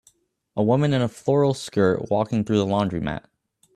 A woman in a floral skirt walking through the laundry mat